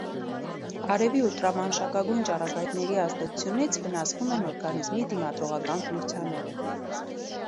Արևի ուլտրամանուշակագույն ճառագայթների ազդեցությունից վնասվում են օրգանիզմի դիմադրողական ֆունկցիաները։